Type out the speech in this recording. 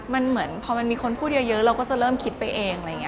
มันเหมือนพอมันมีคนพูดเยอะเราก็จะเริ่มคิดไปเอง